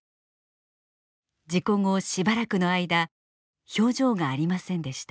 事故後しばらくの間表情がありませんでした。